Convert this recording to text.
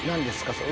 それ。